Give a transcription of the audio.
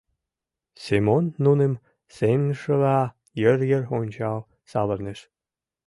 — Семон нуным сеҥышыла йыр-йыр ончал савырныш.